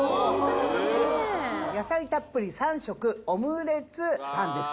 野菜たっぷり３色オムレツパンです。